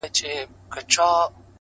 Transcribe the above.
د چای بخار د لاس تودوخه بدلوي!.